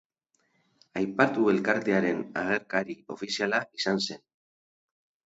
Aipatu elkartearen agerkari ofiziala izan zen.